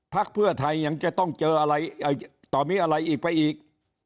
เพื่อไทยยังจะต้องเจออะไรต่อมีอะไรอีกไปอีก